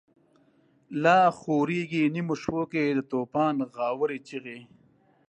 لا خوریږی نیمو شپو کی، دتوفان غاوری چیغی